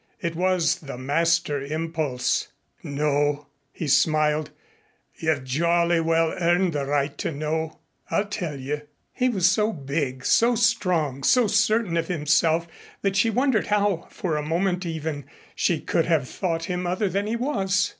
It was the master impulse. "No," he smiled. "You've jolly well earned the right to know. I'll tell you." He was so big, so strong, so certain of himself that she wondered how, for a moment even, she could have thought him other than he was.